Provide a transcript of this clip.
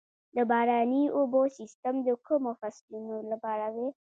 د باراني اوبو سیستم د کومو فصلونو لپاره دی؟